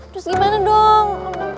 terus gimana dong